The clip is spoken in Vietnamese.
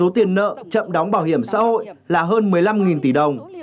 tiền nợ chậm đóng bảo hiểm xã hội là hơn một mươi năm tỷ đồng